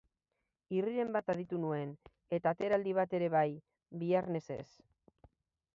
Irriren bat aditu nuen, eta ateraldi bat ere bai, biarnesez.